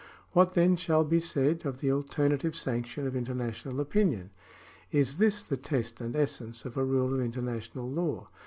What then shall be said of the alternative sanction of international opinion ? Is this the test and essence of a rule of international law